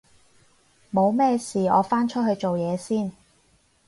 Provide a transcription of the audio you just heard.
冇咩事我返出去做嘢先